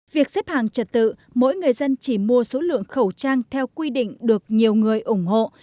việc xếp hàng trật tự mỗi người dân chỉ mua số lượng khẩu trang theo quy định được nhiều người ủng hộ